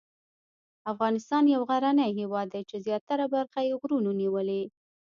افغانستان یو غرنی هېواد دی چې زیاته برخه یې غرونو نیولې.